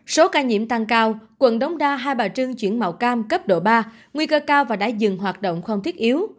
số ca nhiễm tăng cao quận đống đa hai bà trưng chuyển màu cam cấp độ ba nguy cơ cao và đã dừng hoạt động không thiết yếu